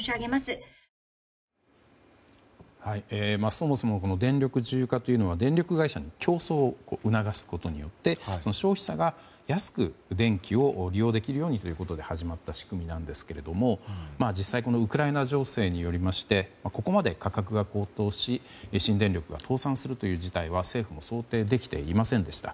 そもそも電力自由化というのは電力会社の競争を促すことによって消費者が、安く電気を利用できるようにということで始まった仕組みなんですけど実際ウクライナ情勢によりましてここまで価格が高騰し新電力が倒産する事態は政府も想定できていませんでした。